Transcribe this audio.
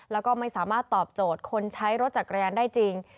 แล้วก็ไม่สามารถตอบโจทย์คนใช้รถจักรยานได้จริง